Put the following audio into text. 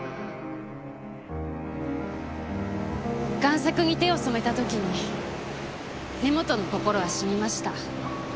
贋作に手を染めた時に根本の心は死にました。